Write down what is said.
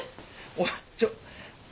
おっちょっ。